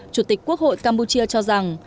chủ tịch quốc hội campuchia cho rằng